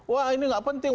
wah ini tidak penting